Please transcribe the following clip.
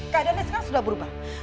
keadaannya sekarang sudah berubah